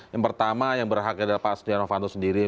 yang pertama yang berhak adalah pak setia novanto sendiri